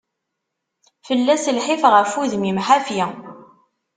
Fell-as lḥiɣ ɣef udmim ḥafi.